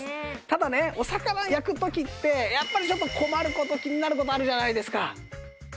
ただねお魚焼く時ってやっぱりちょっと困る事気になる事あるじゃないですか。